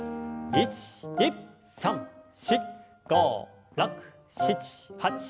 １２３４５６７８。